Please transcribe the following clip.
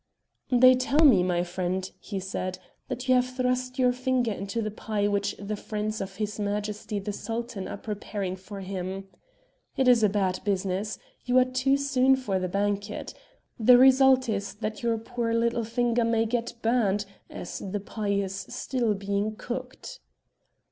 "They tell me, my friend," he said, "that you have thrust your finger into the pie which the friends of his Majesty the Sultan are preparing for him. It is a bad business. You are too soon for the banquet. The result is that your poor little finger may get burnt, as the pie is still being cooked."